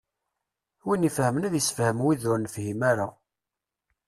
Win ifehmen ad issefhem wid ur nefhim ara.